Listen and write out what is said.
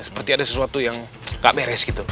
seperti ada sesuatu yang gak beres gitu